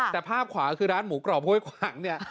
แต่ภาพขวาคือร้านหมูกรอบห้วยขวางเนี่ย